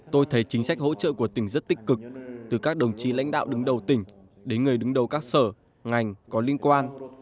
tôi thấy chính sách hỗ trợ của tỉnh rất tích cực từ các đồng chí lãnh đạo đứng đầu tỉnh đến người đứng đầu các sở ngành có liên quan